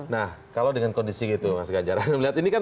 nah kalau dengan kondisi gitu mas gajaran